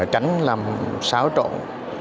tránh làm xáo trộn